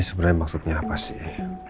ini sebenernya maksudnya apa sih